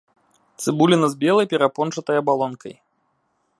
Цыбуліна з белай перапончатай абалонкай.